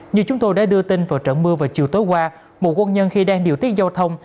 như chúng tôi đã đưa tin vào trận mưa vào chiều tối qua một quân nhân khi đang điều tiết giao thông